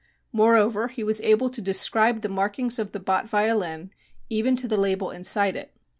Moreover, he was able to describe the markings of the Bott violin even to the label inside it.